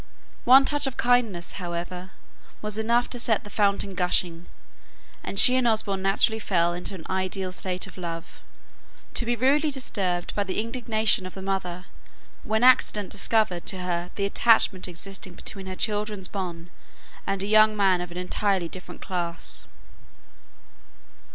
One touch of kindness, however, was enough to set the fountain gushing; and she and Osborne naturally fell into an ideal state of love, to be rudely disturbed by the indignation of the mother, when accident discovered to her the attachment existing between her children's bonne and a young man of an entirely different class.